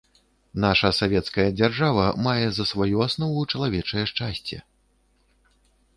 Наша савецкая дзяржава мае за сваю аснову чалавечае шчасце.